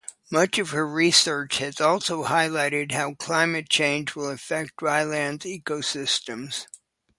Much of her research has also highlighted how climate change will affect drylands ecosystems.